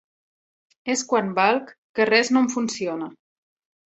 És quan valc que res no em funciona.